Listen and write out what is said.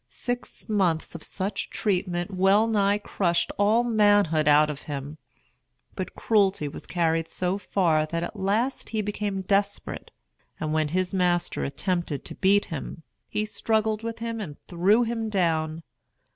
Six months of such treatment wellnigh crushed all manhood out of him. But cruelty was carried so far that at last he became desperate, and when his master attempted to beat him, he struggled with him and threw him down.